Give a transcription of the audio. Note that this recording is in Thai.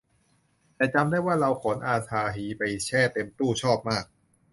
แต่จำได้ว่าเราขนอาซาฮีไปแช่เต็มตู้ชอบมาก